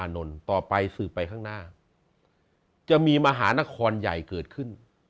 นนท์ต่อไปสืบไปข้างหน้าจะมีมหานครใหญ่เกิดขึ้น